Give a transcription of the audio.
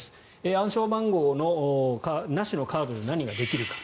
暗証番号なしのカードで何ができるか。